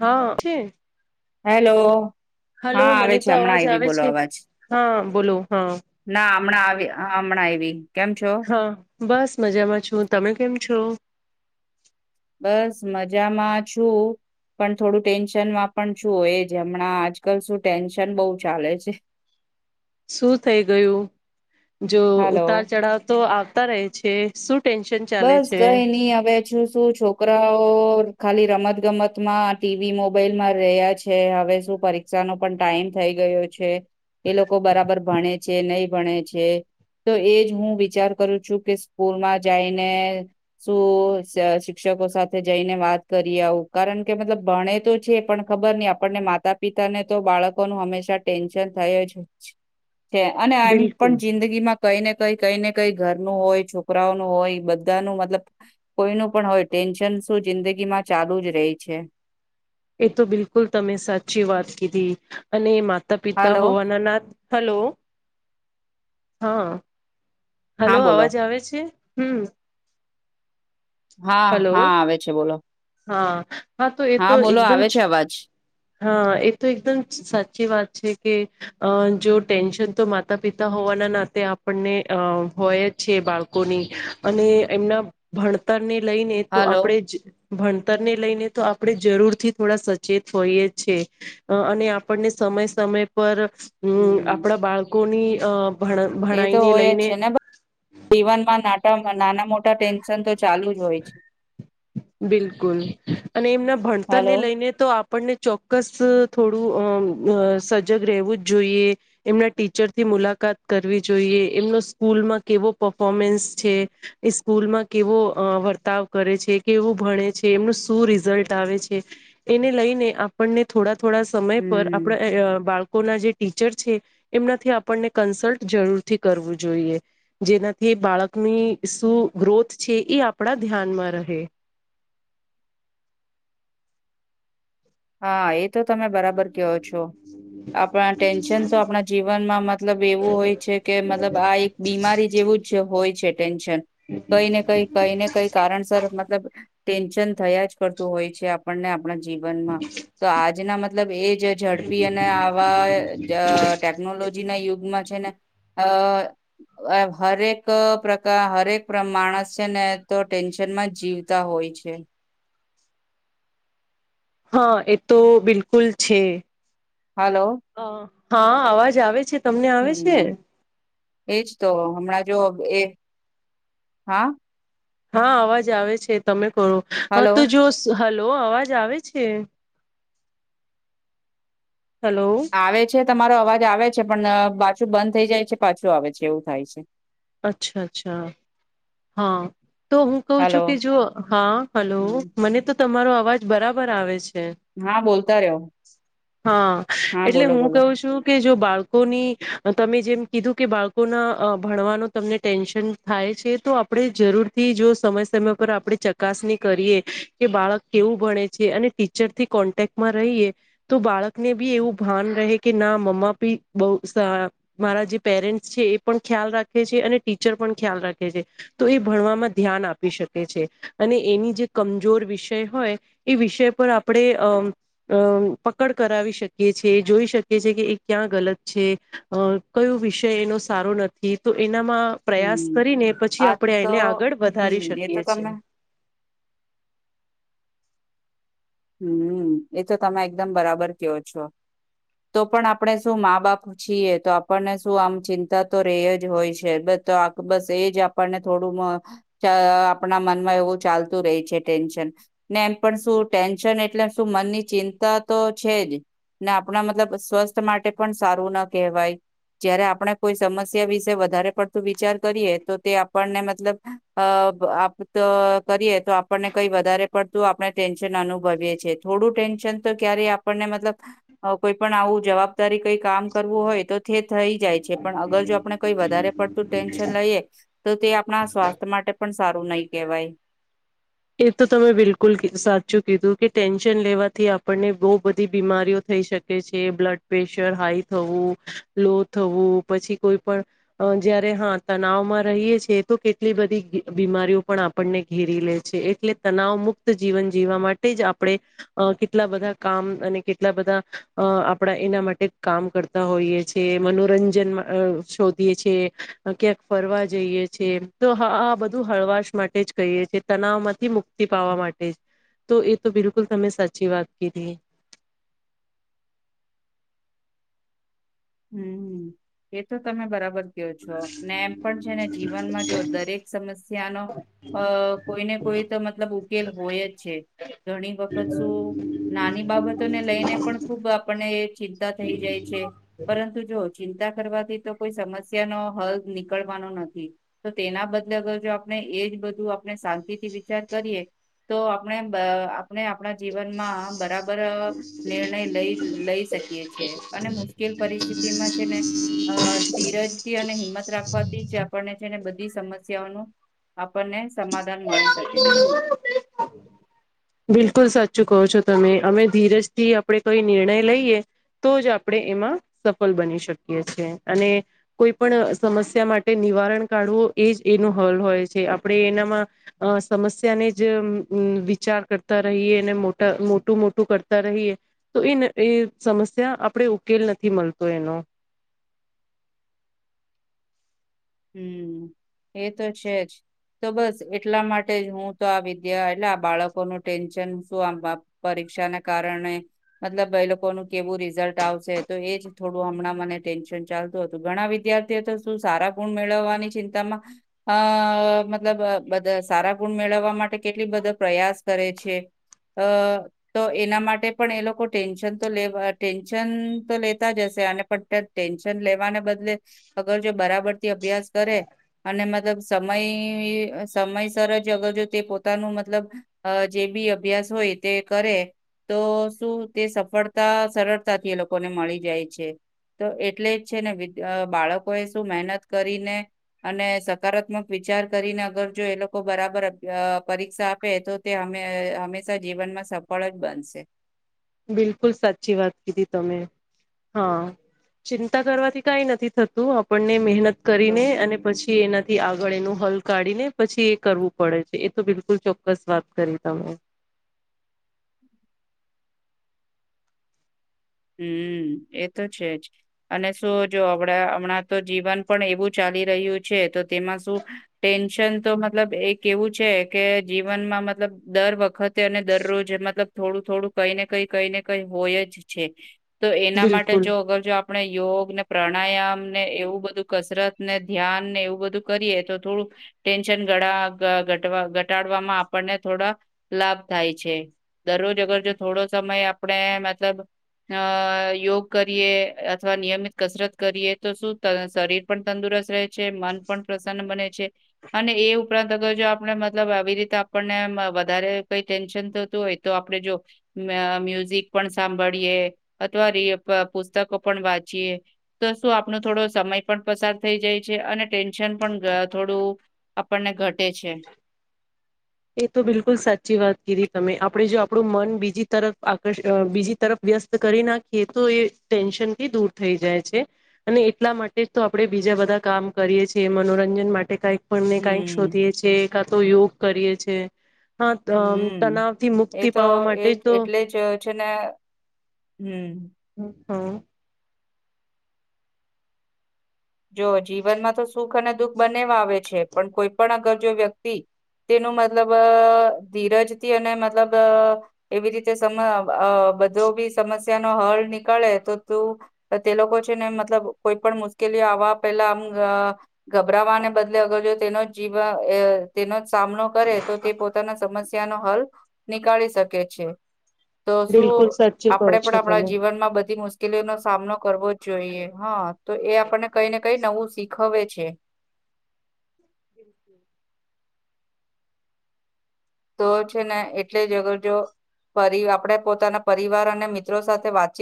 હા છે. Hello. Hello હા આવે મને છે તો હમણાં અવાજ આવી આવે બોલો છે અવાજ હા બોલો હા ના હમણાં આવી હમણાં આવી કેમ છો હા બસ મજામાં છું તમે કેમ છો બસ મજામાં છું. પણ થોડું ટેન્શનમાં પણ શું હોય જે હમણાં આજકાલ શું ટેન્શન બહુ ચાલે છે. શું થઈ ગયું જો હાલો ઉતાર ચઢાવ તો આવતા રહે છે શું. ટેન્શન ચાલે બસ છે કઈ નઈ હવે છું શું છોકરાઓ. ખાલી રમત ગમતમાં ટીવી મોબાઈલમાં રહ્યા છે હવે શું પરીક્ષાનો પણ ટાઈમ થઈ ગયો. ગયો છે એ લોકો બરાબર ભણે છે ન. ભ છે તો એજ હું વિચાર કરું છું કે સ્કૂલમાં. જઈને શું શિક્ષકો સાથે જઈને વાત કરી આવું કારણ કે મતલબ. ભણે તો છે પણ ખબર નહી આપણને માતા પિતાને તો બાળકોનું હંમેશા ટેન્શન થય જ. છે અને એમ બિલકુલ પણ જિંદગી માં કઈ ને કઈ કઈ ને કઈ ઘર નનું હોય છોકરાઓ. હોય બધા ન મતલબ કોઈ ન પણ હોય ટેન્શન શું જિંદગી માં ચાલુ જ રહી છે. એ તો બિલકુલ તમે સાચી વાત કીધી અને. ત પિતા હાલો હોવાનાનાથ હલો હા. હલો હા બોલો અવાજ આવે છે હમ. હા હલો હા આવે છે બોલો. હા હા તો એ તો બોલો એકદમ. આવે છે અવાજ હા એ તો એકદમ સાચી વાત છે કે અ જો ટેન્શન તો માતા પિતા હોવા ના નાતે આપણને અ હોય જ છે બાળકોની અને એમના ભણતરને લઈને તો હલો આપડે જ ભણતરને લઈને તો આપણે જરૂરથી થોડા સચેત હોઈએ જ છે અને આપણને સ મય સમય પર અં હમ આપણા બાળકોની અ ભ ભણાઈને લઈ જેના પ જીવનમાં નાટ નાના મોટા ટેન્શન તો ચાલુ જ હોય છે બિલકુલ અને એમના ભણતરને હલો લઈને તો આપણને ચોક્કસ થોડું અ સજગ રેવું જ જોઈએ એમના ટીચરથી મુલાકાત કરવી જ જોઈએ એમનો સ્કૂલમાં કેવો પફોમન્સ છે, એ સ્કૂલમાં કેવો વર્તાવ કરે છે કેવું ભણે છે, એમનું શું રિઝલ્ટ આવે છે, એને લઈને આપણને થોડા થોડા સમય પર હમ આપડા બાળકોના જે ટીચર છે, એમનાથી આપણને કન્સલ્ટ જરૂરથી કરવું જો જોઈએ જેનાથી એ બાળકની શું ગ્રોથ છે, એ આપડા ધ્યાનમાં રહે. હા, એ તો તમે બરાબર કયો છો. આપણા ટેન્શન તો આપણા જીવનમાં મતલબ એવું હોય છે કે મતલબ આ એક બીમારી જેવ વુ જ હોય છે ટેન્શન કઈ ને કઈ કઈ ને કઈ કારણસર મતલબ ટેન્શન થયા જ કરતું હોય છે આપણને આપણા જીવનમાં તો આજના મતલબ એ જ ઝડપી અને આવા જ ટેકનોલોજી ના યુ ગમાં છે ને અ અ હરેક પ્રકા હરેક પ્ર માણસ છે ને તો ટેન્શ નમાં જીવતા હોય છે [inaudible] હાં, એ તો બિલકુલ છે. હાલો. હા, અવાજ આવે છે, તમને આવે છે? હમ્મ એજ તો હમણાં જો એ હા હા, અવાજ આવે છે, તમે કરો, હા હલો તો જો હલો, અવાજ આવે છે. હલો. આવે છે તમારો અવાજ આવે છે પણ પાછું બંધ થઈ જાય છે પાછું આવે છે એવું થાય છે. અચ્છા, અચ્છા, હાં. તો હું કઉ હલો છું કે જો હા હલો હમ મને તો તમારો અવાજ બરાબર આવે છે. હા બોલતા રયો હા એટલે હું કહું છું કે જો બાળકોની તમે જેમ કીધું કે બાળકોના અ ભણવાનો તમને ટેન્શન થાય છે તો આપડે જરૂરથી જો સમય સમય પર આપડે ચકાસણી કરીએ કે બાળક કેવું ભણે છે અને ટીચરથી કોન્ટેક્ટમાં રહીએ તો બાળકને બી એવું ભા ભાન રહે કે ના મમા બી બઉ સા મારા જે પેરેન્ટ્ છે એ પણ ખ્યાલ રા ખે છે અને ટીચર પણ ખ્યાલ રાખે છે, તો એ ભણવામાં ધ્યાન આપી શકે છે અને એની જે કમજોર વિષય હોય એ વિષય પર આપડે અ પકડ કરાવી શકીએ છે જોઈ શકીએ છે કે એ ક્યાં ગલત છે, અ કયો વિષય એનો સારો નથી. માં પ્રયાસ હમ કરીને પછી આ આપણે તો એને આગળ હમ વધારી એ તો શકીએ છે. તમે હમ્મ, એ તો તમે એકદમ બરાબર કયો છો. તો પણ આપણે શું મા બાપ છીએ, તો આપણને શું આમ ચિંતા તો રેય જ હોય છે, બધ તો આપ બસ એ જ આપણને થોડું મ ચ અ આપણના મનમાં એવું ચાલતું રેય છે ટેન્શ ન ને એમ પણ શું ટેન્શન એટલે શું મનની ચિંતા તો છે જ ને આપણા મતલબ સ્વસ્થ માટે પણ સારું ન કહેવાય. જયારે આપણે કોઈ સમસ્યા વિશે વધારે પડતું વિચાર કરીએ, તો તે આપણને મતલબ અ અપ આપ તો કરીએ તો આપણને કઈ વધારે પડતું આપણે ટેન્ અનુભવી થોડું ટેન્શન તો ક્યારે આપણને મતલબ કોઈ પણ આવું જવાબદારી કઈ કામ કરવું હોય તો તે થઈ જાય છે પણ અગર જો આપણે કઈ વધારે પડતું ટેન્શન લઈએ તો તે આપણા સ્વાસ્થ્ય માટે પણ સારું નહી કહેવાય એ તો તમે બિલકુલ સાચું કીધું કે ટેન્શન લેવાથી આપણને બહુ બધી બીમારીઓ થ થઈ શકે છે બ્લડ પ્રેશર હાઈ થવું લો થવું પછી કોઈ પણ જયારે હા તનાવ માં રહીએ છેએ તો કેટલી બધી બીમારીઓ પણ આપણને ઘેરી લે એટલે તનાવ મુક્ત જીવન જીવવા માટે જ આપણે કેટલા બધા કામ અને કેટલા બધા બ આપણા એના માટે કામ કરતા હોઈએ છ છેએ મનોરંજન શોધીએ છએ ક્યાંક ફરવા જઈએ છે તો આ બધું હળવાશ માટે જ કહીએ છે તનાવ માંથી મુક્તિ પાવા માટે તો એ તો બિલકુલ તમે સાચી વાત કીધી [inaudible] હમ એ તો તમે બરાબર એમ પણ છેને જીવનમાં જો દરેક સમસ્યા નો કોઈને કોઈ કોઈ તો મતલબ ઉકેલ હોય જ છે ઘણી વખત શું નાની બાબતોને લઈને પણ ખુબ આપણને ચિંતા થઈ જાય છે પરંતુ જો ચિંતા કરવાથી તો કોઈ સમસ્યા નો હલ નીકળવાનો નથી તો તેના બદલે અગર જો આપણે એજ બધું આપણે શાંતિ થી વિચાર કરીએ તો આપણે આપણા જીવનમાં બરાબર નિર્ણય લઈ લઈ શકીએ છેએ અને મુ મુશ્કેલ પરિસ્થિતિમાં છે ને અ ધીરજથી અને હિંમત રાખવાથી જ આપણને બધી સમસ્યાઓ ન આપણને સમાધાન મળી શકે છે બિલકુલ સાચું કહો છો તમે અમે ધીરજથી આપડણે કોઈ નિર્ણય લઈએ તો જ આપણે એમાં સફળ બની શકીએ છીએ અને કોઈ પણ સમસ્યા માટે નિવારણ કાઢવું એ જ એનો હલ હોય છે આપણે એનામાં સમસ્યાને જ વિચાર કરતા રહીએ ને મોટ મોટું મોટું કરતા રહીએ તો એ એ સમસ્યા આપણે ઉકેલ નથી મળતો એનો હમ એ તો છે જ તો બસ એટલા માટે જ હું તો આ વિદ્યા એટલે આ બાળકોનું ટેન્શન શું આમ શા કારણે મતલબ લોકો ન કેવું રિઝલ્ટ આવશે તો એજ થોડું હમણાં મનેન્ ચાલતું હતું ઘણા વિદ્યાર્થીઓ તો શું સારા ગુ મેળવવાની ચિંતામાં અ મતલબ બ સારા ગુણ મેળવવા માટે કેટલી બધો પ્રયાસ કરે છે અ તો એના માટે પણ એ લોકો ટેન્શન તો લે ટેન્શન તો લેતા જ હશે પ ટેન્શન લેવાને બદલે અગર જો બરાબરથી અભ્યાસ કરે અને મતલબ સમય સમયસર જ અગર જો તે પોતાનું મતલબ જે બી અભ્યાસ હોય તે કરે તો શું તે સફળતા સરળતાથી એ લોકોને મળી જાય છે તો એટલે જ છે ને બાળકો એ શું મહેનત કરીને અને સકારાત્મક વિચાર કરીને અગર જો એ લોકો બરાબર પરીક્ષા આપે તો તે હંમેશા જીવનમાં સફળ જ બનશે બિલકુલ સાચી વાત કીધી તમે હા ચિંતા કરવાથી કઈ નથી થતું આપણને મહેનત તો કરીને અને પછી એના થી આગળ એનું હલ કાઢી ને પછી એ કરવું પડે છે એ તો બિલકુલ ચોક્કસ વાત કરી તમે [inaudible] [unintelligible] હમ એ તો છે જ અને શું જો હમણાં હમણાં તો જીવન પણ એવું ચાલ રહ છે તો તેમાં શું ટેન્શન તો મતલબ એ કેવું છે કે જીવનમાં મતલબ દર વખતે અને દરરોજ મતલબ થોડું થોડું કઈ ને કઈ કઈને કઈ હોય જ તો એના માટે બિલકુલ જો અગર જો આપ આપણે યોગ ને પ્રાણાયામ ને એવું બધું કસરત ને ધ્યાન ને એવું બધું કરીએ તો થોડુંક ટેન્શન ઘટાડવામાં આપણને થોડા લાભ થાય છે. દરરોજ અગર જો થોડો સમય આપણેે મતલબ અ યોગ કરીએ અથવા નિયમિત કસરત કરીએ તો શું શરીર પણ તંદુરસ્ત રહે છે મન પણ પ્રસન્ન બને છે. અને એ ઉપરાંત અગર જો આપણે મતલબ આવી રીતે આપણને વધ કઈ ટેન્શન તો હોય તો આપણે જો મ્યુઝિક પણ સાંભળીએ અથવા ર પુસ્તકો પણ વાંચીએ તો શું આપણો થોડો સમય પણ પસાર થઈ જાય છે અને ટેન્શન પણ થોડું આપણને ઘટે છે. એ તો બિલકુલ સાચી વાત કીધી તમે આપડે જો આપણું મન બીજી તરફ આકર્ષ બીજી તરફ વસ્ કરી નાખીએ તો એ ટેન્શનથી દૂર થઈ જાય છે અને એટલા માટે તો આપણે બીજા બધા કામ કરીએ છીએ મનોરંજન માટે કઈક આપને કઈક હમ્મ, શોધીએ છ છે કા તો યોગ કરીએ છે. હમ એ તો માટે એજ તો એટલે જ છે ને હમ. હમ. જો જીવનમાં તો સુખ અને દુઃખ બનેવા આવે છે પણ કોઈ પણ અગર જો વ્યક્તિ તેનું મતલબ ધીરજથી અને મતલબ એવી રીતે સમ બધો બી સમસ્યા નો હલ નીકળે તો તું તે લોકો છે ને મતલબ કોઈ પણ મુ લી આવા પેલા આમ ગભરાવાને બદલે અગર જો તેનો જીવન તેનો સામનો કરે તો તે પોતાના સમસ્યા ન હલ નીકાળી શકે છે. તો બિલકુલ શું સાચું કહો આપણેે પણ છો આપણા તમે જીવનમાં બધી મુશ મુશકેલી નો સામનો કરવો જોઈએ હા તો એ ક નવું શીખ છે. તો છે ને એટલે જ અગર જો આપે પોતાના પરિવાર અને મિત્રો સાથે વાતચી